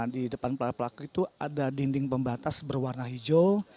di depan para pelaku itu ada dinding pembatas berwarna hijau